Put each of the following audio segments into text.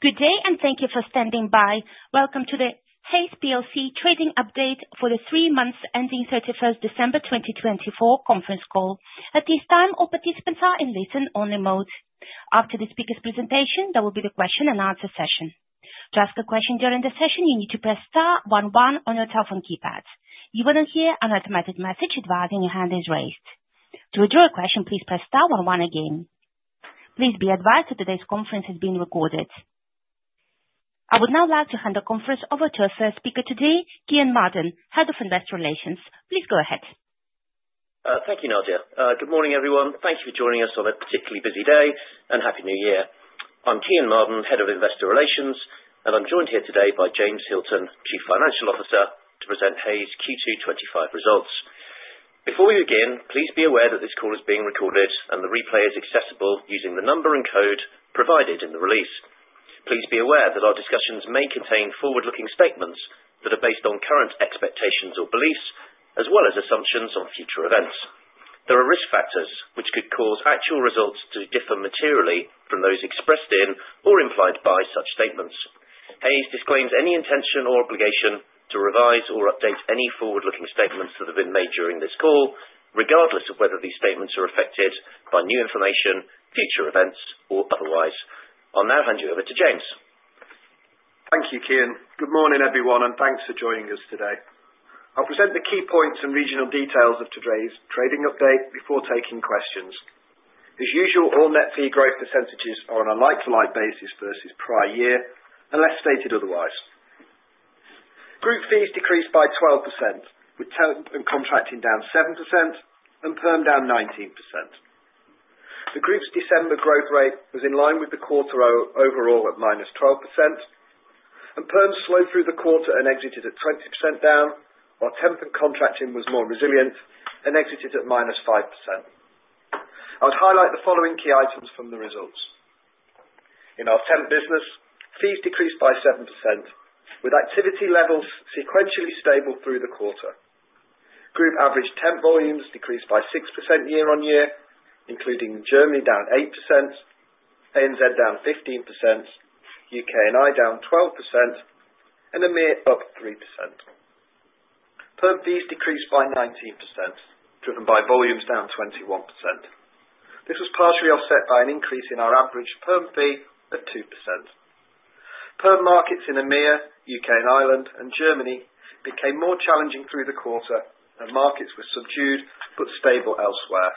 Good day, and thank you for standing by. Welcome to the Hays PLC trading update for the three months ending 31st December 2024 conference call. At this time, all participants are in listen-only mode. After the speaker's presentation, there will be the question-and-answer session. To ask a question during the session, you need to press star one one on your telephone keypad. You will then hear an automated message advising your hand is raised. To withdraw a question, please press star one one again. Please be advised that today's conference is being recorded. I would now like to hand the conference over to our first speaker today, Kean Marden, Head of Investor Relations. Please go ahead. Thank you, Nadia. Good morning, everyone. Thank you for joining us on a particularly busy day and Happy New Year. I'm Kean Marden, Head of Investor Relations, and I'm joined here today by James Hilton, Chief Financial Officer, to present Hays Q2 2025 results. Before we begin, please be aware that this call is being recorded and the replay is accessible using the number and code provided in the release. Please be aware that our discussions may contain forward-looking statements that are based on current expectations or beliefs, as well as assumptions on future events. There are risk factors which could cause actual results to differ materially from those expressed in or implied by such statements. Hays disclaims any intention or obligation to revise or update any forward-looking statements that have been made during this call, regardless of whether these statements are affected by new information, future events, or otherwise. I'll now hand you over to James. Thank you, Kean. Good morning, everyone, and thanks for joining us today. I'll present the key points and regional details of today's trading update before taking questions. As usual, all net fee growth percentages are on a like-for-like basis versus prior year unless stated otherwise. Group fees decreased by 12%, Temp and Contracting down 7% and Perm down 19%. The group's December growth rate was in line with the quarter overall at minus 12%, and Perm slowed through the quarter and exited at 20% down, Temp and Contracting was more resilient and exited at minus 5%. I'd highlight the following key items from the results. In our Temp business, fees decreased by 7%, with activity levels sequentially stable through the quarter. Group average Temp volumes decreased by 6% year-on-year, including Germany down 8%, ANZ down 15%, UK&I down 12%, and EMEA up 3%. Perm fees decreased by 19%, driven by volumes down 21%. This was partially offset by an increase in our average Perm fee of 2%. Perm markets in EMEA, U.K. and Ireland, and Germany became more challenging through the quarter, and markets were subdued but stable elsewhere.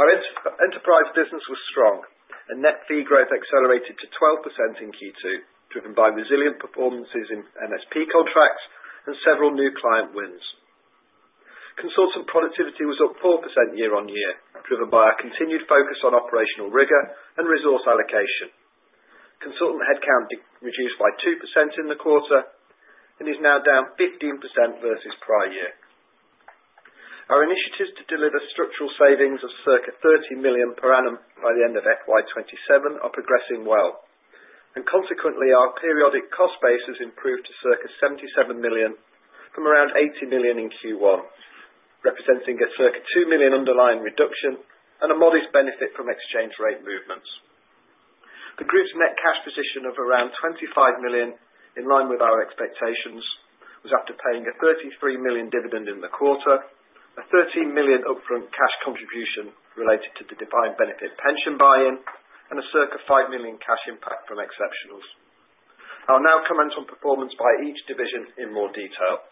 Our enterprise business was strong, and net fee growth accelerated to 12% in Q2, driven by resilient performances in MSP contracts and several new client wins. Consultant productivity was up 4% year-on-year, driven by our continued focus on operational rigor and resource allocation. Consultant headcount reduced by 2% in the quarter and is now down 15% versus prior year. Our initiatives to deliver structural savings of circa 30 million per annum by the end of FY 2027 are progressing well, and consequently, our periodic cost basis improved to circa 77 million from around 80 million in Q1, representing a circa 2 million underlying reduction and a modest benefit from exchange rate movements. The group's net cash position of around 25 million, in line with our expectations, was after paying a 33 million dividend in the quarter, a 13 million upfront cash contribution related to the defined benefit pension buy-in, and a circa 5 million cash impact from exceptionals. I'll now comment on performance by each division in more detail.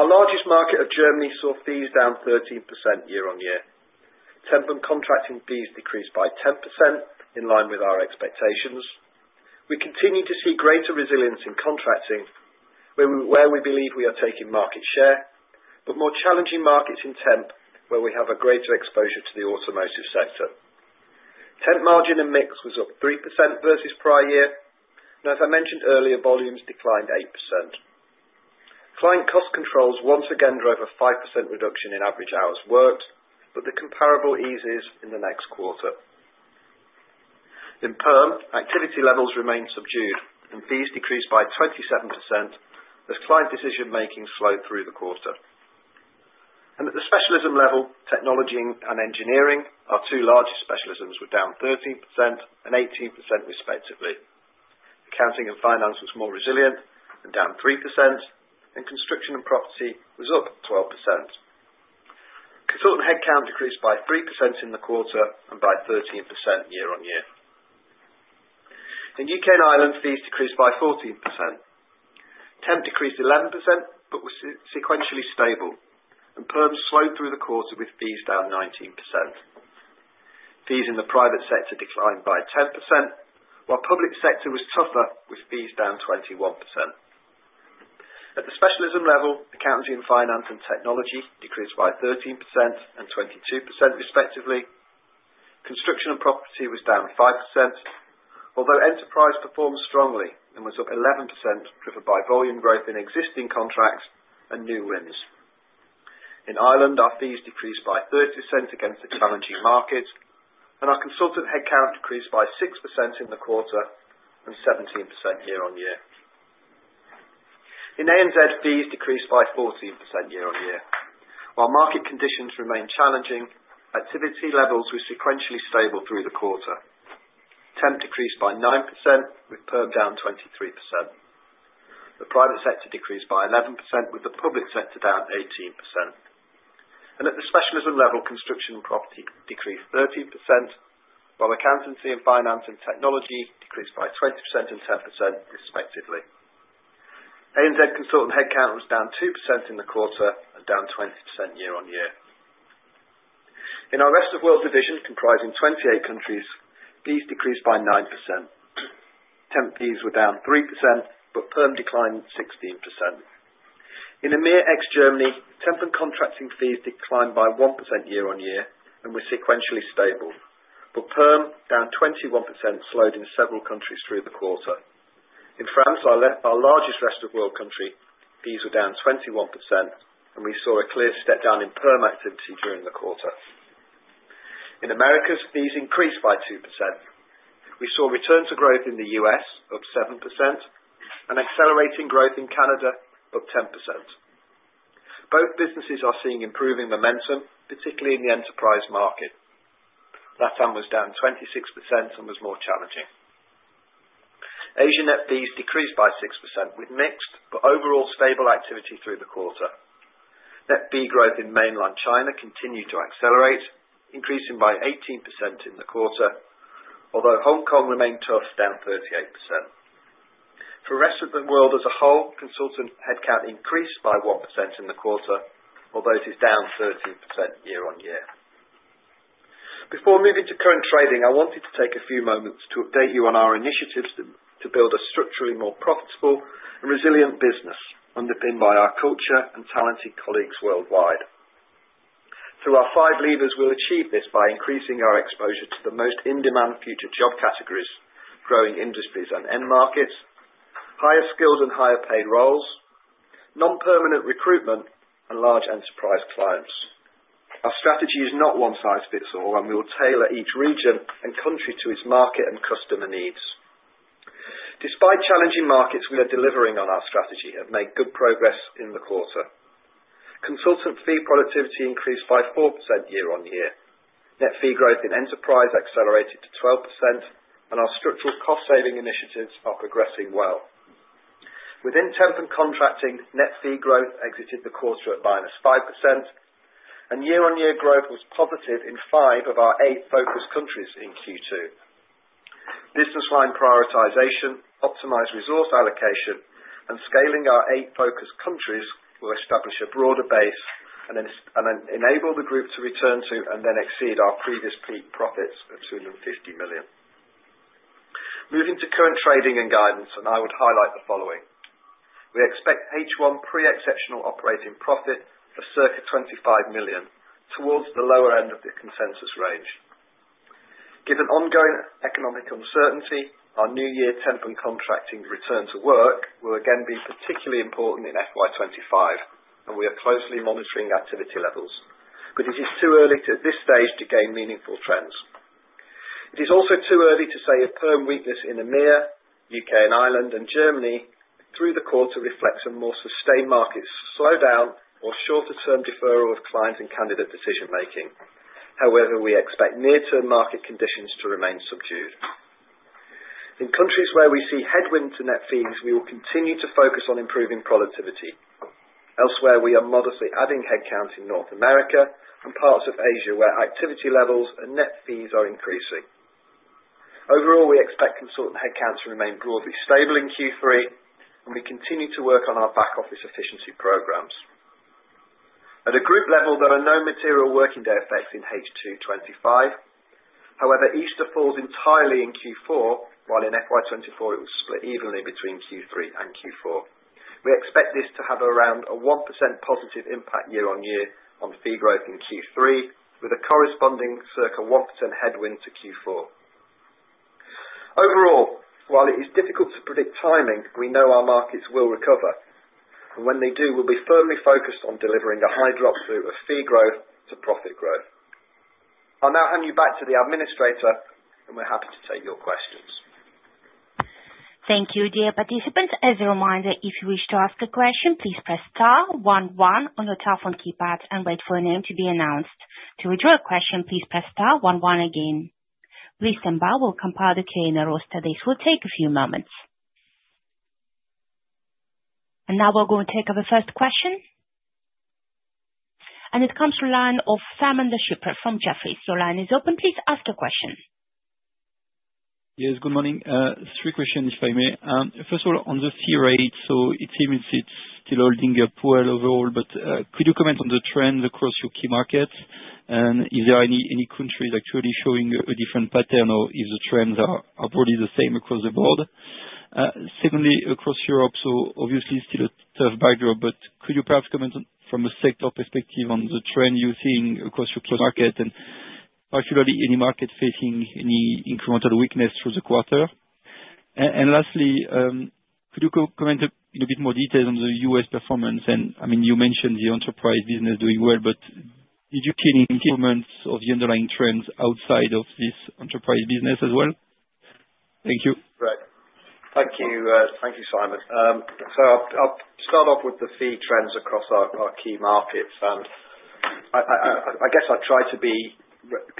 Our largest market of Germany saw fees down 13% year-on-year. Temp and Contracting fees decreased by 10% in line with our expectations. We continue to see greater resilience in contracting, where we believe we are taking market share, but more challenging markets in Temp, where we have a greater exposure to the automotive sector. Temp margin and mix was up 3% versus prior year, and as I mentioned earlier, volumes declined 8%. Client cost controls once again drove a 5% reduction in average hours worked, but the comparable eases in the next quarter. In Perm, activity levels remained subdued, and fees decreased by 27% as client decision-making slowed through the quarter, and at the specialism level, technology and engineering, our two largest specialisms were down 13% and 18% respectively. Accounting and finance was more resilient and down 3%, and construction and property was up 12%. Consultant headcount decreased by 3% in the quarter and by 13% year-on-year. In U.K. and Ireland, fees decreased by 14%. Temp decreased 11% but was sequentially stable, and Perm slowed through the quarter with fees down 19%. Fees in the private sector declined by 10%, while public sector was tougher with fees down 21%. At the specialism level, accounting and finance and technology decreased by 13% and 22% respectively. Construction and property was down 5%, although enterprise performed strongly and was up 11%, driven by volume growth in existing contracts and new wins. In Ireland, our fees decreased by 30% against the challenging markets, and our consultant headcount decreased by 6% in the quarter and 17% year-on-year. In ANZ, fees decreased by 14% year-on-year. While market conditions remained challenging, activity levels were sequentially stable through the quarter. Temp decreased by 9% with Perm down 23%. The private sector decreased by 11% with the public sector down 18%. At the specialism level, construction and property decreased 13%, while accountancy and finance and technology decreased by 20% and 10% respectively. ANZ consultant headcount was down 2% in the quarter and down 20% year-on-year. In our Rest of World division, comprising 28 countries, fees decreased by 9%. Temp fees were down 3%, but Perm declined 16%. In EMEA ex Temp and Contracting fees declined by 1% year-on-year and were sequentially stable, but Perm down 21% slowed in several countries through the quarter. In France, our largest Rest of World country, fees were down 21%, and we saw a clear step down in Perm activity during the quarter. In Americas, fees increased by 2%. We saw returns to growth in the U.S. of 7% and accelerating growth in Canada of 10%. Both businesses are seeing improving momentum, particularly in the enterprise market. LATAM was down 26% and was more challenging. Asia net fees decreased by 6% with mixed but overall stable activity through the quarter. Net fee growth in Mainland China continued to accelerate, increasing by 18% in the quarter, although Hong Kong remained tough, down 38%. For Rest of World as a whole, consultant headcount increased by 1% in the quarter, although it is down 13% year-on-year. Before moving to current trading, I wanted to take a few moments to update you on our initiatives to build a structurally more profitable and resilient business underpinned by our culture and talented colleagues worldwide. Through our five levers, we'll achieve this by increasing our exposure to the most in-demand future job categories, growing industries and end markets, higher skilled and higher paid roles, non-permanent recruitment, and large enterprise clients. Our strategy is not one-size-fits-all, and we will tailor each region and country to its market and customer needs. Despite challenging markets, we are delivering on our strategy and have made good progress in the quarter. Consultant fee productivity increased by 4% year-on-year. Net fee growth in enterprise accelerated to 12%, and our structural cost-saving initiatives are progressing well. Temp and Contracting, net fee growth exited the quarter at -5%, and year-on-year growth was positive in five of our eight focus countries in Q2. Business line prioritization, optimized resource allocation, and scaling our eight focus countries will establish a broader base and enable the group to return to and then exceed our previous peak profits of 250 million. Moving to current trading and guidance, and I would highlight the following. We expect H1 pre-exceptional operating profit of circa £25 million towards the lower end of the consensus range. Given ongoing economic uncertainty, our new Temp and Contracting return to work will again be particularly important in FY 2025, and we are closely monitoring activity levels, but it is too early at this stage to gain meaningful trends. It is also too early to say a Perm weakness in EMEA, U.K. and Ireland, and Germany through the quarter reflects a more sustained market slowdown or shorter-term deferral of client and candidate decision-making. However, we expect near-term market conditions to remain subdued. In countries where we see headwinds to net fees, we will continue to focus on improving productivity. Elsewhere, we are modestly adding headcount in North America and parts of Asia where activity levels and net fees are increasing. Overall, we expect consultant headcounts to remain broadly stable in Q3, and we continue to work on our back-office efficiency programs. At a group level, there are no material working day effects in H2 2025. However, Easter falls entirely in Q4, while in FY 2024 it was split evenly between Q3 and Q4. We expect this to have around a 1% positive impact year-on-year on fee growth in Q3, with a corresponding circa 1% headwind to Q4. Overall, while it is difficult to predict timing, we know our markets will recover, and when they do, we'll be firmly focused on delivering a high drop-through of fee growth to profit growth. I'll now hand you back to the administrator, and we're happy to take your questions. Thank you, dear participants. As a reminder, if you wish to ask a question, please press star 11 on your telephone keypad and wait for a name to be announced. To withdraw a question, please press star 11 again. Please stand by while we compile the Q&A roster. This will take a few moments. And now we're going to take up the first question. And it comes from the line of Simon LeChipre from Jefferies. Your line is open. Please ask your question. Yes, good morning. Three questions, if I may. First of all, on the fee rate, so it seems it's still holding up well overall, but could you comment on the trends across your key markets? And is there any countries actually showing a different pattern, or is the trends probably the same across the board? Secondly, across Europe, so obviously still a tough backdrop, but could you perhaps comment from a sector perspective on the trend you're seeing across your key markets, and particularly any market facing any incremental weakness through the quarter? And lastly, could you comment in a bit more detail on the U.S. performance? And I mean, you mentioned the enterprise business doing well, but did you see any key moments of the underlying trends outside of this enterprise business as well? Thank you. Right. Thank you, Simon, so I'll start off with the fee trends across our key markets, and I guess I'll try to be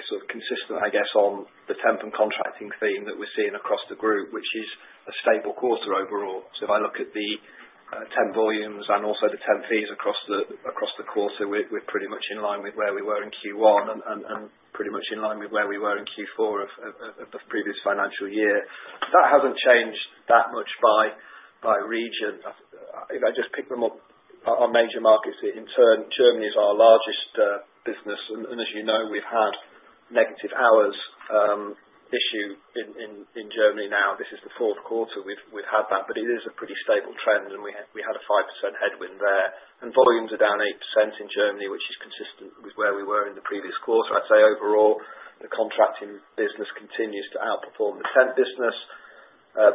sort of consistent, I guess, on Temp and Contracting theme that we're seeing across the group, which is a stable quarter overall, so if I look at the Temp volumes and also the Temp fees across the quarter, we're pretty much in line with where we were in Q1 and pretty much in line with where we were in Q4 of the previous financial year. That hasn't changed that much by region. If I just pick them up, our major markets in turn, Germany is our largest business, and as you know, we've had negative hours issue in Germany now. This is the fourth quarter we've had that, but it is a pretty stable trend, and we had a 5% headwind there. Volumes are down 8% in Germany, which is consistent with where we were in the previous quarter. I'd say overall, the contracting business continues to outperform the Temp business,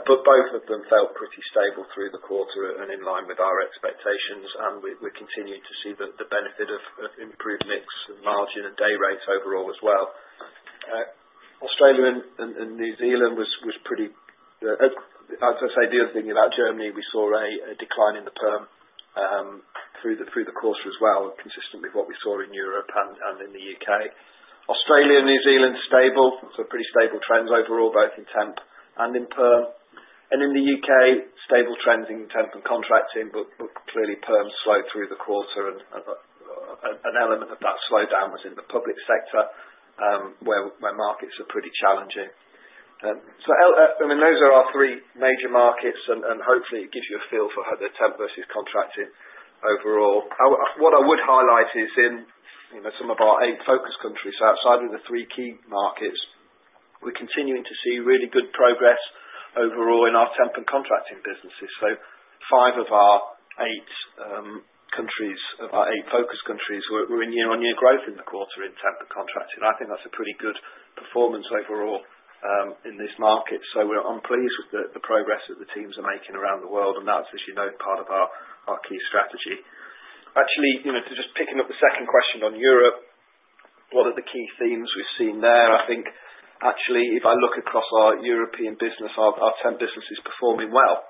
but both of them felt pretty stable through the quarter and in line with our expectations. We're continuing to see the benefit of improved mix and margin and day rates overall as well. Australia and New Zealand was pretty. I'd say the other thing about Germany, we saw a decline in the Perm through the quarter as well, consistent with what we saw in Europe and in the U.K. Australia and New Zealand stable, so pretty stable trends overall, both in Temp and in Perm. In the U.K., stable trends Temp and Contracting, but clearly Perm slowed through the quarter. An element of that slowdown was in the public sector, where markets are pretty challenging. So I mean, those are our three major markets, and hopefully it gives you a feel for how the Temp versus contracting overall. What I would highlight is in some of our eight focus countries, so outside of the three key markets, we're continuing to see really good progress overall in Temp and Contracting businesses. So five of our eight countries, of our eight focus countries, were in year-on-year growth in the quarter Temp and Contracting. I think that's a pretty good performance overall in this market. So we're pleased with the progress that the teams are making around the world, and that's, as you know, part of our key strategy. Actually, just picking up the second question on Europe, what are the key themes we've seen there? I think actually, if I look across our European business, our Temp business is performing well.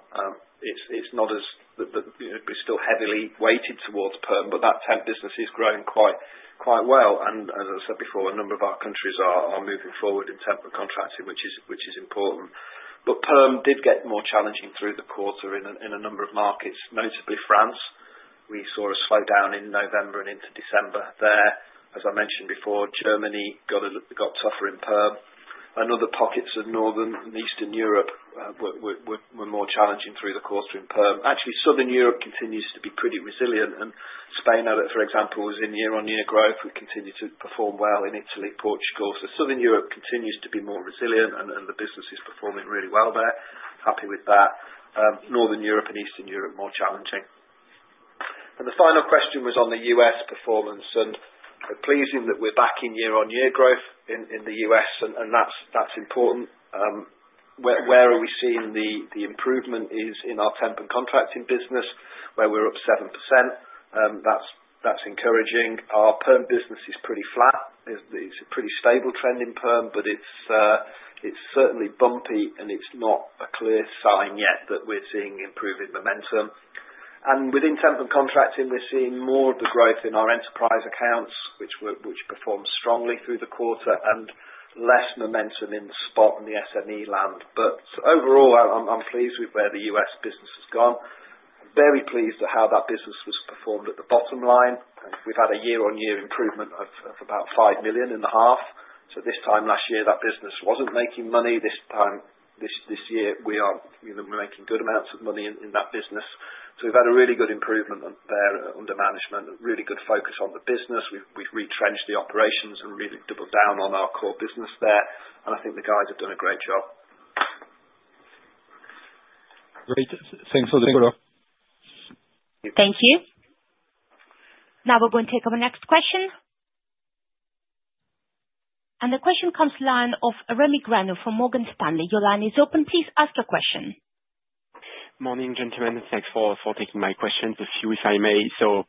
It's not as we're still heavily weighted towards Perm, but that Temp business is growing quite well, and as I said before, a number of our countries are moving forward Temp and Contracting, which is important, but Perm did get more challenging through the quarter in a number of markets, notably France. We saw a slowdown in November and into December there. As I mentioned before, Germany got tougher in Perm. Another pocket of northern and eastern Europe were more challenging through the quarter in Perm. Actually, southern Europe continues to be pretty resilient, and Spain, for example, was in year-on-year growth. We continue to perform well in Italy, Portugal, so southern Europe continues to be more resilient, and the business is performing really well there. Happy with that. Northern Europe and eastern Europe more challenging, and the final question was on the U.S. performance. Pleasing that we're back in year-on-year growth in the U.S., and that's important. Where are we seeing the improvement is in our Temp and Contracting business, where we're up 7%. That's encouraging. Our Perm business is pretty flat. It's a pretty stable trend in Perm, but it's certainly bumpy, and it's not a clear sign yet that we're seeing improving momentum. And within Temp and Contracting, we're seeing more of the growth in our enterprise accounts, which performed strongly through the quarter, and less momentum in spot and the SME land. But overall, I'm pleased with where the U.S. business has gone. Very pleased at how that business was performed at the bottom line. We've had a year-on-year improvement of about 5.5 million. So this time last year, that business wasn't making money. This time this year, we're making good amounts of money in that business. So we've had a really good improvement there under management, really good focus on the business. We've retrenched the operations and really doubled down on our core business there. And I think the guys have done a great job. Great. Thanks for the follow-up. Thank you. Now we're going to take up the next question. And the question comes to the line of Rémi Grenu from Morgan Stanley. Your line is open. Please ask your question. Morning, gentlemen. Thanks for taking my questions, if I may. So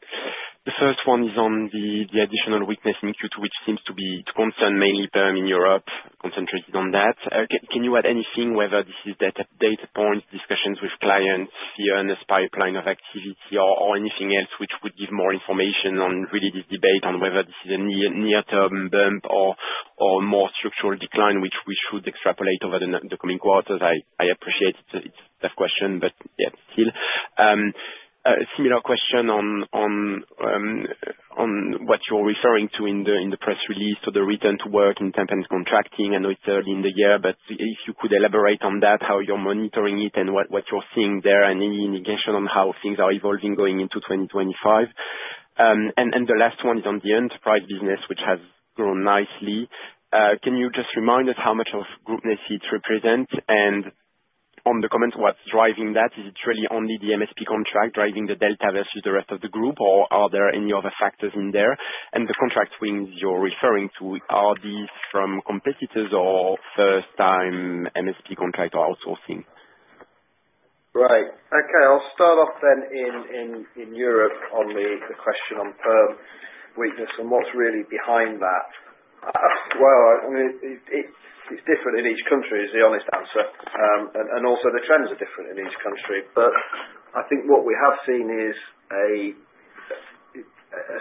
the first one is on the additional weakness in Q2, which seems to be concerned mainly Perm in Europe, concentrated on that. Can you add anything, whether this is data points, discussions with clients, consultancy pipeline of activity, or anything else which would give more information on really this debate on whether this is a near-term bump or more structural decline, which we should extrapolate over the coming quarters? I appreciate it's a tough question, but yeah, still. Similar question on what you're referring to in the press release to the return to work in Temp and Contracting and later in the year, but if you could elaborate on that, how you're monitoring it and what you're seeing there, and any indication on how things are evolving going into 2025. And the last one is on the enterprise business, which has grown nicely. Can you just remind us how much of group nets it represents? And on the comment, what's driving that? Is it really only the MSP contract driving the delta versus the rest of the group, or are there any other factors in there? And the contract wins you're referring to, are these from competitors or first-time MSP contract or outsourcing? Right. Okay. I'll start off then in Europe on the question on Perm weakness and what's really behind that, well, I mean, it's different in each country is the honest answer, and also, the trends are different in each country, but I think what we have seen is a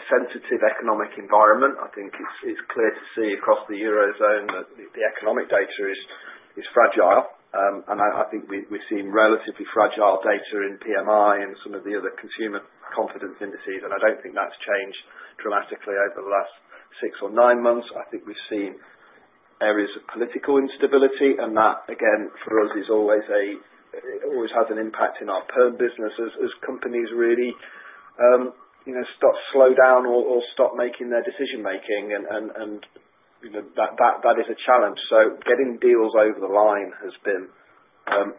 sensitive economic environment. I think it's clear to see across the Eurozone that the economic data is fragile, and I think we've seen relatively fragile data in PMI and some of the other consumer confidence indices, and I don't think that's changed dramatically over the last six or nine months. I think we've seen areas of political instability, and that, again, for us, always has an impact in our Perm business as companies really stop, slow down, or stop making their decision-making, and that is a challenge. So getting deals over the line has been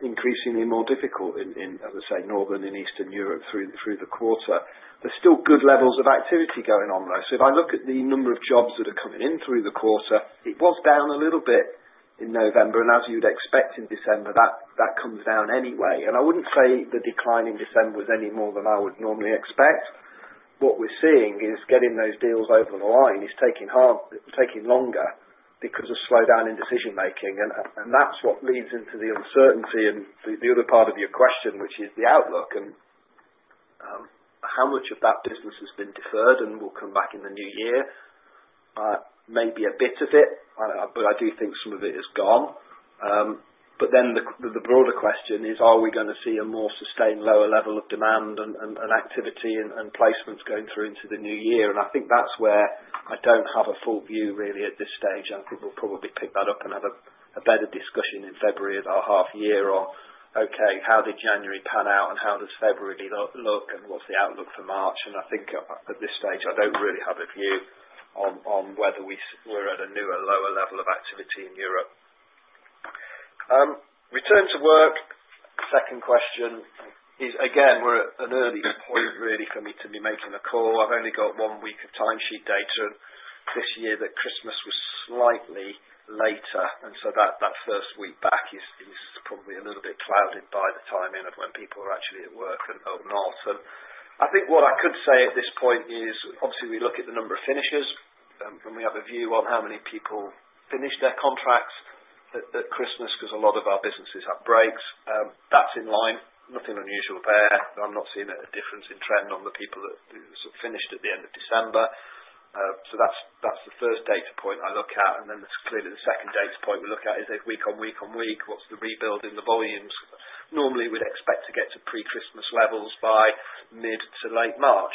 increasingly more difficult in, as I say, northern and eastern Europe through the quarter. There's still good levels of activity going on, though. So if I look at the number of jobs that are coming in through the quarter, it was down a little bit in November, and as you'd expect in December, that comes down anyway. And I wouldn't say the decline in December was any more than I would normally expect. What we're seeing is getting those deals over the line is taking longer because of slowdown in decision-making. And that's what leads into the uncertainty and the other part of your question, which is the outlook. And how much of that business has been deferred and will come back in the new year? Maybe a bit of it, but I do think some of it has gone. But then the broader question is, are we going to see a more sustained lower level of demand and activity and placements going through into the new year? And I think that's where I don't have a full view really at this stage. I think we'll probably pick that up and have a better discussion in February at our half-year on, okay, how did January pan out, and how does February look, and what's the outlook for March? And I think at this stage, I don't really have a view on whether we're at a newer lower level of activity in Europe. Return to work, second question is, again, we're at an early point really for me to be making a call. I've only got one week of timesheet data this year, that Christmas was slightly later. That first week back is probably a little bit clouded by the timing of when people are actually at work and not. I think what I could say at this point is, obviously, we look at the number of finishers, and we have a view on how many people finish their contracts at Christmas because a lot of our businesses have breaks. That's in line. Nothing unusual there. I'm not seeing a difference in trend on the people that finished at the end of December. That's the first data point I look at. Clearly, the second data point we look at is week on week on week. What's the rebuild in the volumes? Normally, we'd expect to get to pre-Christmas levels by mid to late March.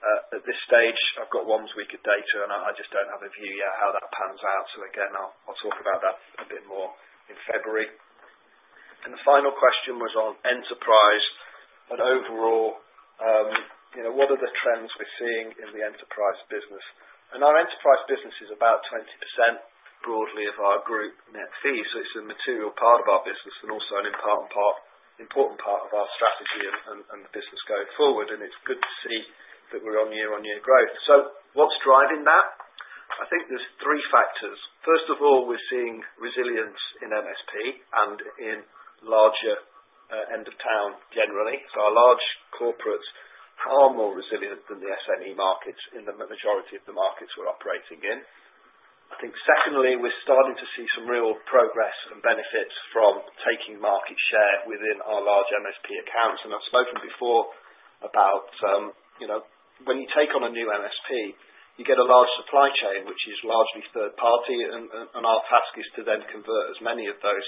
At this stage, I've got one week of data, and I just don't have a view yet how that pans out. So again, I'll talk about that a bit more in February. And the final question was on Enterprise and overall, what are the trends we're seeing in the Enterprise business? And our Enterprise business is about 20% broadly of our group net fee. So it's a material part of our business and also an important part of our strategy and business going forward. And it's good to see that we're on year-on-year growth. So what's driving that? I think there's three factors. First of all, we're seeing resilience in MSP and in larger end-of-town generally. So our large corporates are more resilient than the SME markets in the majority of the markets we're operating in. I think secondly, we're starting to see some real progress and benefits from taking market share within our large MSP accounts. And I've spoken before about when you take on a new MSP, you get a large supply chain, which is largely third-party. And our task is to then convert as many of those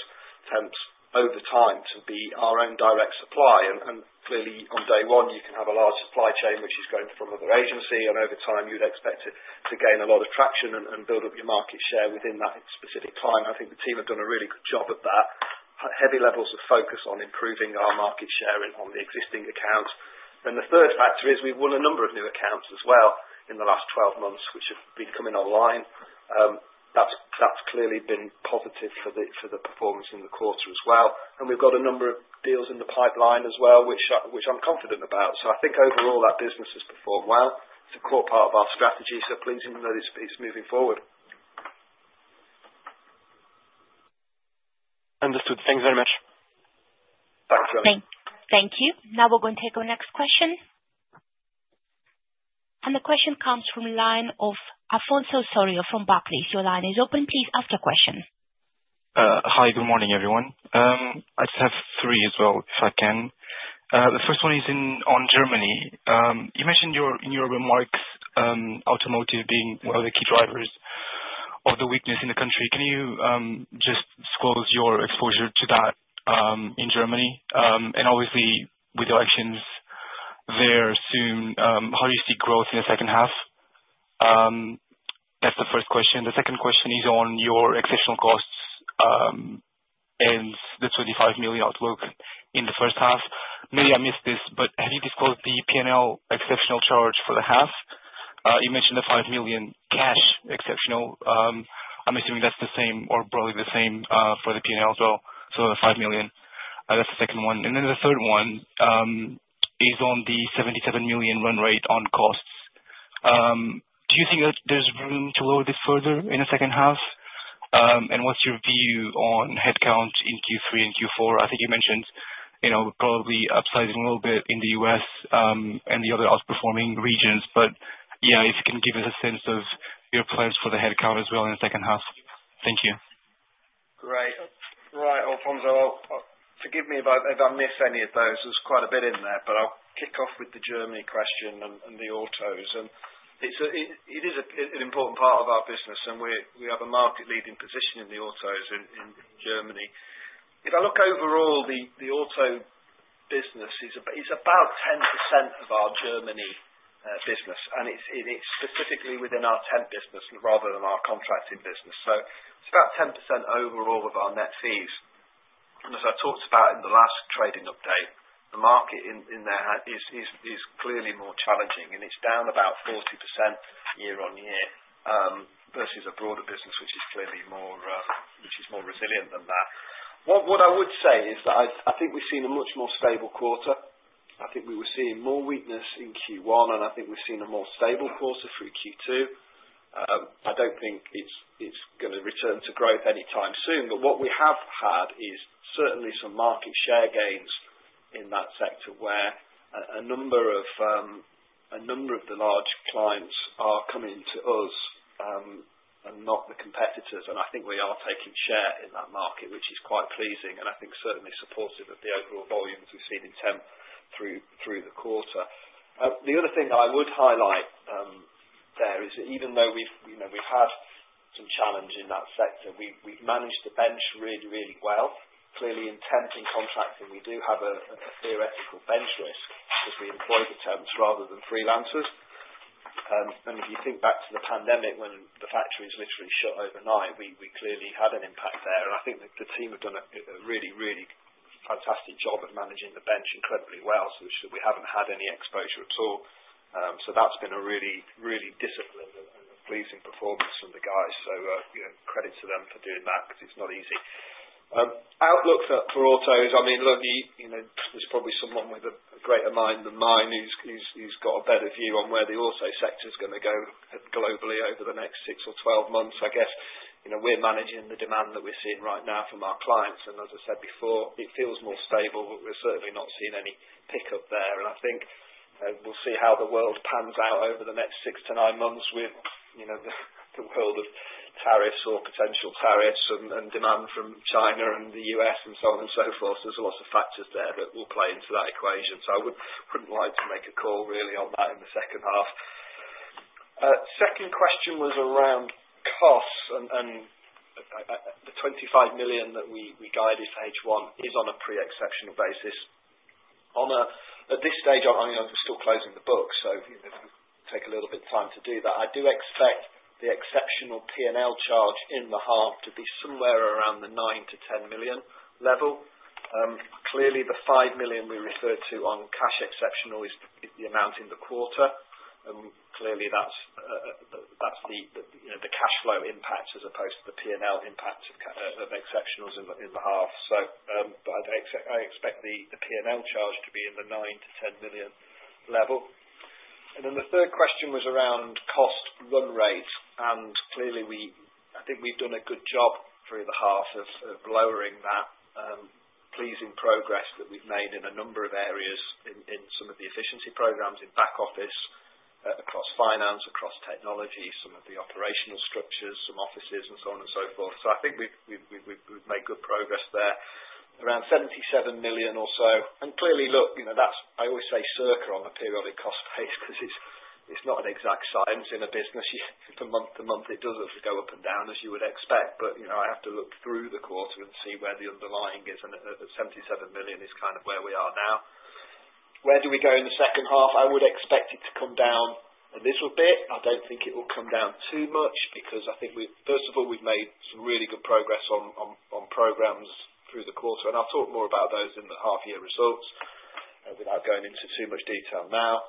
Temps over time to be our own direct supply. And clearly, on day one, you can have a large supply chain, which is going from another agency. And over time, you'd expect to gain a lot of traction and build up your market share within that specific time. I think the team have done a really good job of that. Heavy levels of focus on improving our market share on the existing accounts. And the third factor is we've won a number of new accounts as well in the last 12 months, which have been coming online. That's clearly been positive for the performance in the quarter as well. And we've got a number of deals in the pipeline as well, which I'm confident about. So I think overall, that business has performed well. It's a core part of our strategy, so pleasing that it's moving forward. Understood. Thanks very much. Thanks. Thank you. Now we're going to take our next question. And the question comes from Line of Afonso Osório from Barclays. Your line is open. Please ask your question. Hi. Good morning, everyone. I just have three as well, if I can. The first one is on Germany. You mentioned in your remarks automotive being one of the key drivers of the weakness in the country. Can you just disclose your exposure to that in Germany? And obviously, with elections there soon, how do you see growth in the second half? That's the first question. The second question is on your exceptional costs and the 25 million outlook in the first half. Maybe I missed this, but have you disclosed the P&L exceptional charge for the half? You mentioned the 5 million cash exceptional. I'm assuming that's the same or probably the same for the P&L as well. So 5 million. That's the second one. And then the third one is on the 77 million run rate on costs. Do you think that there's room to lower this further in the second half? And what's your view on headcount in Q3 and Q4? I think you mentioned probably upsizing a little bit in the U.S. and the other outperforming regions. But yeah, if you can give us a sense of your plans for the headcount as well in the second half. Thank you. Great. Right. Afonso, forgive me if I miss any of those. There's quite a bit in there, but I'll kick off with the Germany question and the autos, and it is an important part of our business, and we have a market-leading position in the autos in Germany. If I look overall, the auto business is about 10% of our Germany business, and it's specifically within our Temp business rather than our contracting business. So it's about 10% overall of our net fees, and as I talked about in the last trading update, the market in there is clearly more challenging, and it's down about 40% year-on-year versus a broader business, which is clearly more resilient than that. What I would say is that I think we've seen a much more stable quarter. I think we were seeing more weakness in Q1, and I think we've seen a more stable quarter through Q2. I don't think it's going to return to growth anytime soon. But what we have had is certainly some market share gains in that sector where a number of the large clients are coming to us and not the competitors. And I think we are taking share in that market, which is quite pleasing, and I think certainly supportive of the overall volumes we've seen in Temp through the quarter. The other thing I would highlight there is that even though we've had some challenge in that sector, we've managed the bench really, really well. Clearly, Temp and Contracting, we do have a theoretical bench risk because we employ the Temps rather than freelancers. If you think back to the pandemic when the factories literally shut overnight, we clearly had an impact there. I think the team have done a really, really fantastic job of managing the bench incredibly well, so we haven't had any exposure at all. That's been a really, really disciplined and pleasing performance from the guys. Credit to them for doing that because it's not easy. Outlook for autos, I mean, look, there's probably someone with a greater mind than mine who's got a better view on where the auto sector is going to go globally over the next six or 12 months. I guess we're managing the demand that we're seeing right now from our clients. As I said before, it feels more stable, but we're certainly not seeing any pickup there. I think we'll see how the world pans out over the next six to nine months with the world of tariffs or potential tariffs and demand from China and the U.S. and so on and so forth. There's a lot of factors there that will play into that equation. So I wouldn't like to make a call really on that in the second half. Second question was around costs, and the 25 million that we guided for H1 is on a pre-exceptional basis. At this stage, I mean, we're still closing the books, so it will take a little bit of time to do that. I do expect the exceptional P&L charge in the half to be somewhere around the 9-10 million level. Clearly, the 5 million we referred to on cash exceptional is the amount in the quarter. Clearly, that's the cash flow impact as opposed to the P&L impact of Exceptionals in the half. I expect the P&L charge to be in the 9-10 million level. The third question was around cost run rate. Clearly, I think we've done a good job through the half of lowering that pleasing progress that we've made in a number of areas in some of the efficiency programs in back office, across finance, across technology, some of the operational structures, some offices, and so on and so forth. I think we've made good progress there. Around 77 million or so. Clearly, look, I always say circa on the periodic cost base because it's not an exact science in a business. Month-to-month, it does go up and down as you would expect. But I have to look through the quarter and see where the underlying is. And 77 million is kind of where we are now. Where do we go in the second half? I would expect it to come down a little bit. I don't think it will come down too much because I think, first of all, we've made some really good progress on programs through the quarter. And I'll talk more about those in the half-year results without going into too much detail now.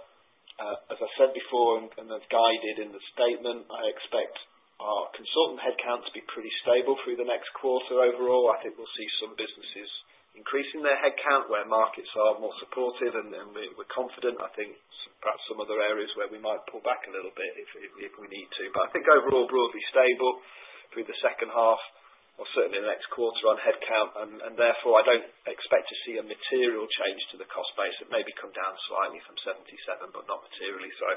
As I said before, and as guided in the statement, I expect our consultant headcount to be pretty stable through the next quarter overall. I think we'll see some businesses increasing their headcount where markets are more supportive, and we're confident. I think perhaps some other areas where we might pull back a little bit if we need to. I think overall, broadly stable through the second half or certainly the next quarter on headcount. And therefore, I don't expect to see a material change to the cost base. It may come down slightly from 77, but not materially, so.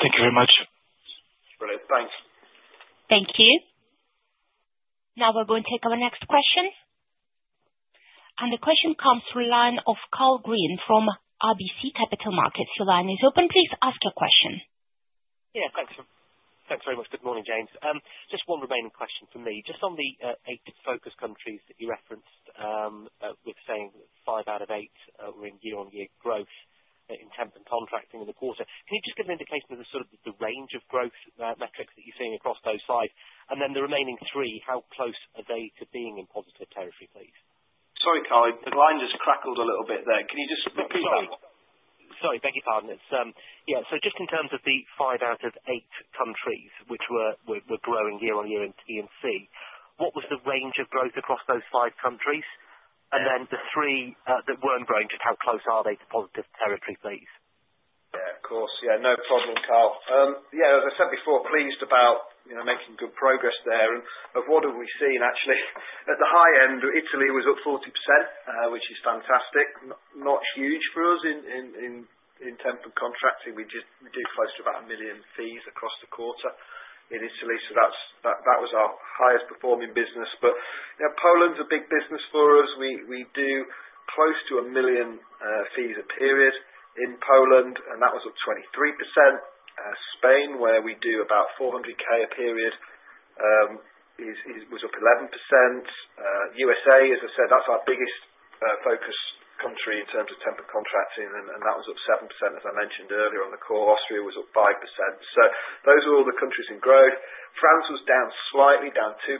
Thank you very much. Brilliant. Thanks. Thank you. Now we're going to take our next question. And the question comes from the line of Karl Green from RBC Capital Markets. Your line is open. Please ask your question. Yeah. Thanks. Thanks very much. Good morning, James. Just one remaining question for me. Just on the eight focus countries that you referenced, with saying five out of eight were in year-on-year growth Temp and Contracting in the quarter, can you just give an indication of the sort of the range of growth metrics that you're seeing across those five? And then the remaining three, how close are they to being in positive territory, please? Sorry, Kean. The line just crackled a little bit there. Can you just repeat that? Sorry. Beg your pardon. Yeah. So just in terms of the five out of eight countries which were growing year-on-year in T&C, what was the range of growth across those five countries? And then the three that weren't growing, just how close are they to positive territory, please? Yeah. Of course. Yeah. No problem, Karl. Yeah. As I said before, pleased about making good progress there. And what have we seen? Actually, at the high end, Italy was up 40%, which is fantastic. Not huge for us Temp and Contracting. We do close to about 1 million fees across the quarter in Italy. So that was our highest-performing business. But Poland's a big business for us. We do close to 1 million fees a period in Poland, and that was up 23%. Spain, where we do about 400K a period, was up 11%. USA, as I said, that's our biggest focus country in terms Temp and Contracting, and that was up 7%, as I mentioned earlier on the call. Austria was up 5%. So those are all the countries in growth. France was down slightly, down 2%.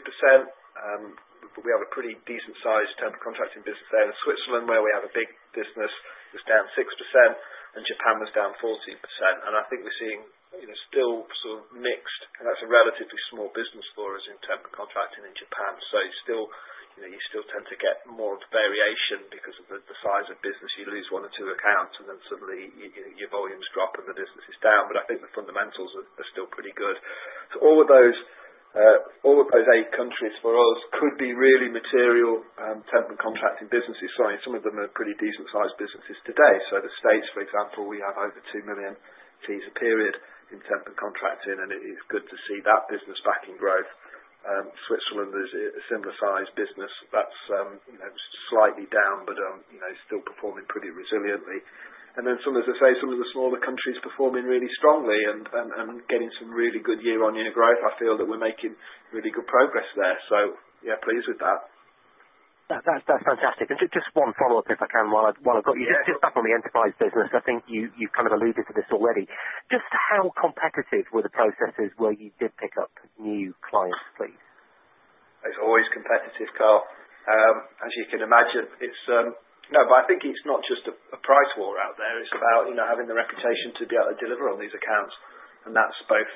We have a pretty Temp and Contracting business there. Switzerland, where we have a big business, was down 6%, and Japan was down 14%. I think we're seeing still sort of mixed. That's a relatively small business for us Temp and Contracting in Japan. You still tend to get more variation because of the size of business. You lose one or two accounts, and then suddenly your volumes drop and the business is down. I think the fundamentals are still pretty good. All of those eight countries for us could be really Temp and Contracting businesses. Sorry, some of them are pretty decent-sized businesses today. The States, for example, we have overGBP 2 million fees a period Temp and Contracting, and it is good to see that business back in growth. Switzerland is a similar-sized business. That's slightly down, but still performing pretty resiliently. And then as I say, some of the smaller countries performing really strongly and getting some really good year-on-year growth. I feel that we're making really good progress there. So yeah, pleased with that. That's fantastic. And just one follow-up, if I can, while I've got you. Just on the enterprise business, I think you've kind of alluded to this already. Just how competitive were the processes where you did pick up new clients, please? It's always competitive, Karl. As you can imagine, it's no, but I think it's not just a price war out there. It's about having the reputation to be able to deliver on these accounts. And that's both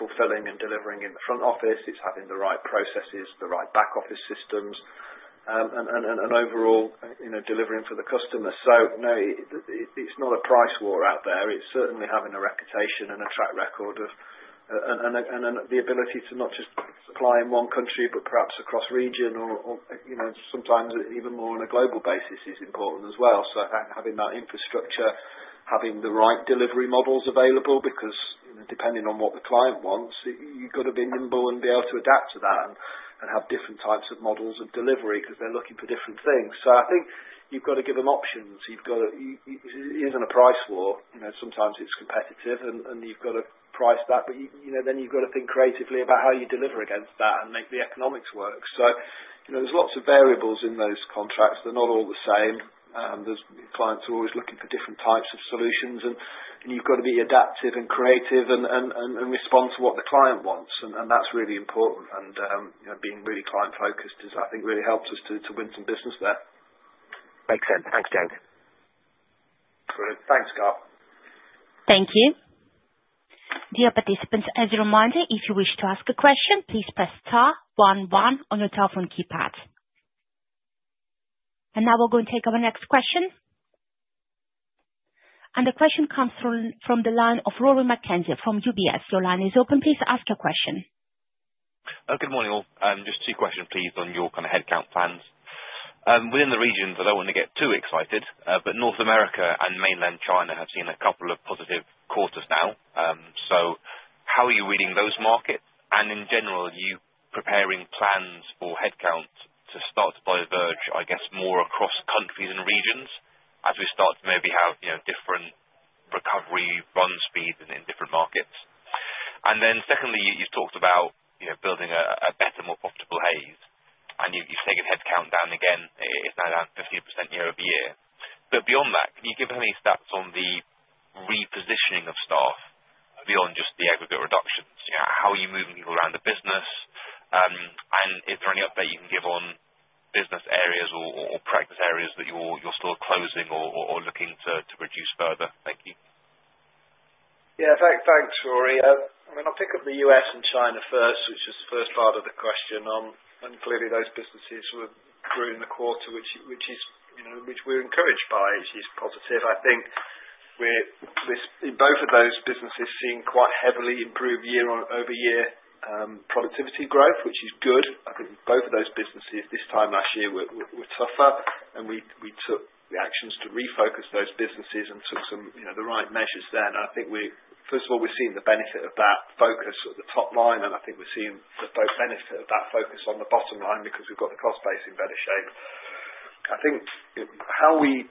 fulfilling and delivering in the front office. It's having the right processes, the right back-office systems, and overall delivering for the customer. So no, it's not a price war out there. It's certainly having a reputation and a track record and the ability to not just apply in one country, but perhaps across region or sometimes even more on a global basis is important as well. So having that infrastructure, having the right delivery models available because depending on what the client wants, you've got to be nimble and be able to adapt to that and have different types of models of delivery because they're looking for different things. So I think you've got to give them options. It isn't a price war. Sometimes it's competitive, and you've got to price that. But then you've got to think creatively about how you deliver against that and make the economics work. So there's lots of variables in those contracts. They're not all the same. Clients are always looking for different types of solutions, and you've got to be adaptive and creative and respond to what the client wants. And that's really important. And being really client-focused is, I think, really helps us to win some business there. Makes sense. Thanks, James. Brilliant. Thanks, Karl. Thank you. Dear participants, as a reminder, if you wish to ask a question, please press star, one, one on your telephone keypad. And now we're going to take our next question. And the question comes from the line of Rory McKenzie from UBS. Your line is open. Please ask your question. Good morning, all. Just two questions, please, on your kind of headcount plans. Within the regions, I don't want to get too excited, but North America and Mainland China have seen a couple of positive quarters now. So how are you reading those markets? And in general, are you preparing plans for headcount to start to diverge, I guess, more across countries and regions as we start to maybe have different recovery run speeds in different markets? And then secondly, you've talked about building a better, more profitable Hays. And you've taken headcount down again. It's now down 15% year-over-year. But beyond that, can you give any stats on the repositioning of staff beyond just the aggregate reductions? How are you moving people around the business? And is there any update you can give on business areas or practice areas that you're still closing or looking to reduce further? Thank you. Yeah. Thanks, Rory. I mean, I'll pick up the U.S. and China first, which is the first part of the question, and clearly, those businesses were growing in the quarter, which we're encouraged by. It's positive. I think both of those businesses seem quite healthy. Improved year-over-year productivity growth, which is good. I think both of those businesses this time last year were tougher, and we took the actions to refocus those businesses and took some of the right measures then. And I think, first of all, we've seen the benefit of that focus at the top line, and I think we're seeing the benefit of that focus on the bottom line because we've got the cost base in better shape. I think how we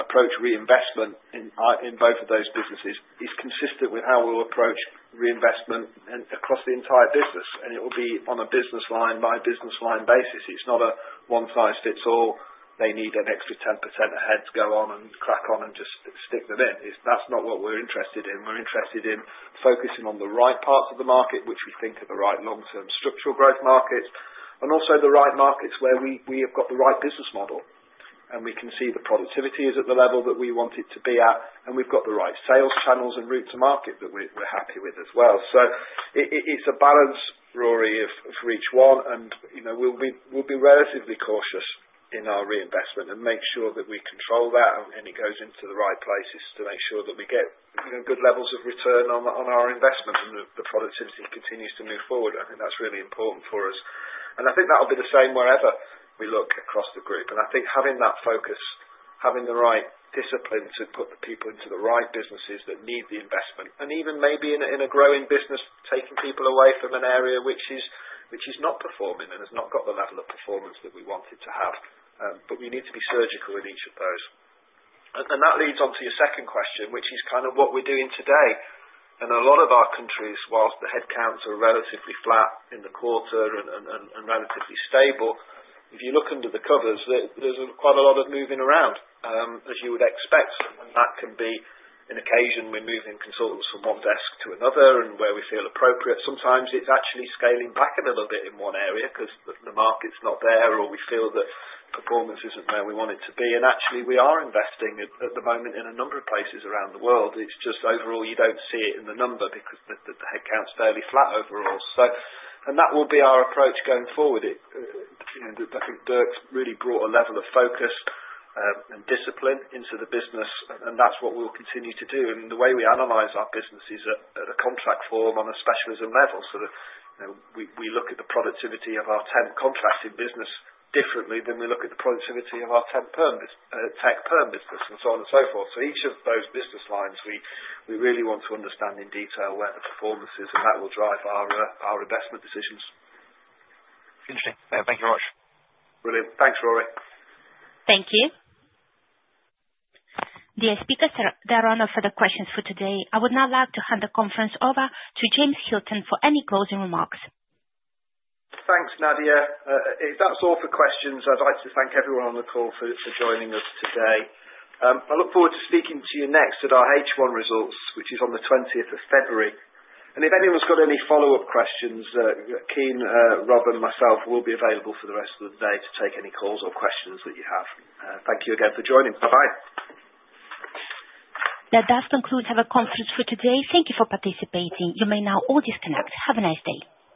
approach reinvestment in both of those businesses is consistent with how we'll approach reinvestment across the entire business. And it will be on a business line, my business line basis. It's not a one-size-fits-all. They need an extra 10% ahead to go on and crack on and just stick them in. That's not what we're interested in. We're interested in focusing on the right parts of the market, which we think are the right long-term structural growth markets, and also the right markets where we have got the right business model. And we can see the productivity is at the level that we want it to be at, and we've got the right sales channels and route to market that we're happy with as well. So it's a balance, Rory, of each one. And we'll be relatively cautious in our reinvestment and make sure that we control that, and it goes into the right places to make sure that we get good levels of return on our investment and the productivity continues to move forward. I think that's really important for us. And I think that'll be the same wherever we look across the group. And I think having that focus, having the right discipline to put the people into the right businesses that need the investment, and even maybe in a growing business, taking people away from an area which is not performing and has not got the level of performance that we want it to have. But we need to be surgical in each of those. And that leads on to your second question, which is kind of what we're doing today. And a lot of our countries, while the headcounts are relatively flat in the quarter and relatively stable, if you look under the covers, there's quite a lot of moving around, as you would expect. And that can be an occasion we're moving consultants from one desk to another and where we feel appropriate. Sometimes it's actually scaling back a little bit in one area because the market's not there or we feel that performance isn't where we want it to be. And actually, we are investing at the moment in a number of places around the world. It's just overall, you don't see it in the number because the headcount's fairly flat overall. And that will be our approach going forward. I think Dirk's really brought a level of focus and discipline into the business, and that's what we'll continue to do. The way we analyze our business is at a contract form on a specialism level. So we look at the productivity of our Temp contracting business differently than we look at the productivity of our tech Perm business and so on and so forth. So each of those business lines, we really want to understand in detail where the performance is, and that will drive our investment decisions. Interesting. Thank you very much. Brilliant. Thanks, Rory. Thank you. The speakers are running out for the questions for today. I would now like to hand the conference over to James Hilton for any closing remarks. Thanks, Nadia. That's all for questions. I'd like to thank everyone on the call for joining us today. I look forward to speaking to you next at our H1 results, which is on the 20th of February, and if anyone's got any follow-up questions, Kean, Bob, and myself, we'll be available for the rest of the day to take any calls or questions that you have. Thank you again for joining. Bye-bye. That does conclude our conference for today. Thank you for participating. You may now all disconnect. Have a nice day.